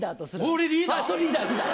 俺、リーダー？